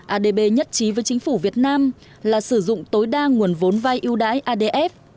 adb nhất trí với chính phủ việt nam là sử dụng tối đa nguồn vốn vai ưu đãi adf